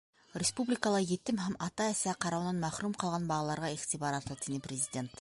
— Республикала етем һәм ата-әсә ҡарауынан мәхрүм ҡалған балаларға иғтибар арта, — тине Президент.